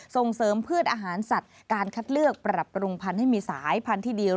ส่งเสริมพืชอาหารสัตว์การคัดเลือกปรับปรุงพันธุ์ให้มีสายพันธุ์ที่เดียว